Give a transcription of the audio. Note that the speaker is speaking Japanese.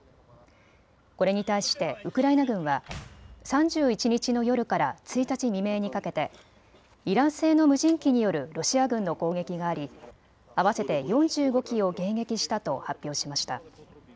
これに対してウクライナ軍は３１日の夜から１日未明にかけてイラン製の無人機によるロシア軍の攻撃があり合わせて４５機を迎撃したと発表しました。